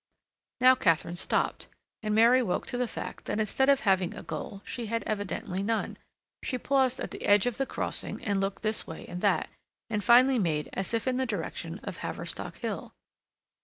Now Katharine stopped, and Mary woke to the fact that instead of having a goal she had evidently none. She paused at the edge of the crossing, and looked this way and that, and finally made as if in the direction of Haverstock Hill.